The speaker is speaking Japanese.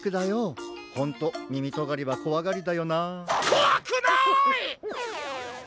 こわくない！